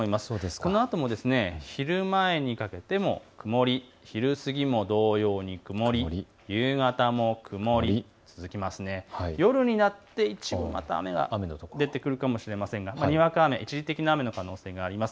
このあとも昼前にかけても曇り、昼過ぎも同様に曇り、夕方も曇り、夜になって一部、雨の所が出てくるかもしれませんがにわか雨、一時的な雨の可能性もあります。